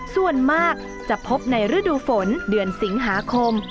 ส่วนมากจะพบในฤดูฝนเดือนสิงหาคม